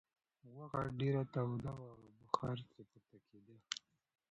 غوښه ډېره توده وه او بخار ترې پورته کېده.